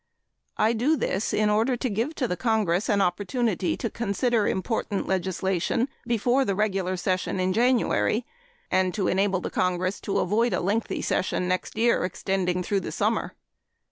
I do this in order to give to the Congress an opportunity to consider important legislation before the regular session in January, and to enable the Congress to avoid a lengthy session next year, extending through the summer.